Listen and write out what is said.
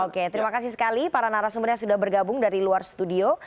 oke terima kasih sekali para narasumber yang sudah bergabung dari luar studio